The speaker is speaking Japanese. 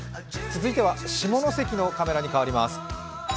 続いては下関のカメラに替わります。